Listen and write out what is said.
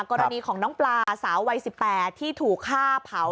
กรณีของน้องปลาสาววัย๑๘ที่ถูกฆ่าเผา